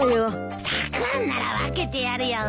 たくあんなら分けてやるよ。